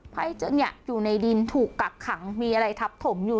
ใครเจอเนี้ยอยู่ในดินถูกกักขังมีอะไรทับถมอยู่